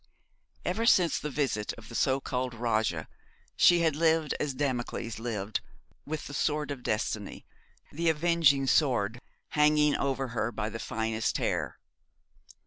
Ever since the visit of the so called Rajah she had lived as Damocles lived, with the sword of destiny the avenging sword hanging over her by the finest hair.